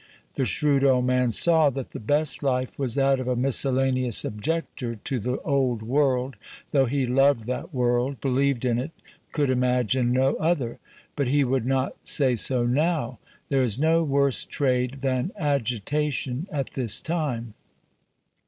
The shrewd old man saw that the best life was that of a miscellaneous objector to the old world, though he loved that world, believed in it, could imagine no other. But he would not say so now. There is no worse trade than agitation at this time.